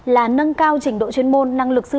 là nâng cao trình độ chuyên môn năng lực sản xuất